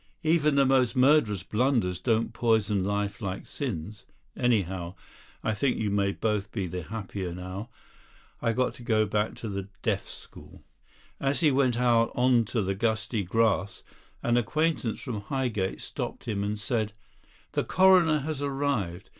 Even the most murderous blunders don't poison life like sins; anyhow, I think you may both be the happier now. I've got to go back to the Deaf School." As he went out on to the gusty grass an acquaintance from Highgate stopped him and said: "The Coroner has arrived.